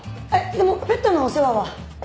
でもペットのお世話は。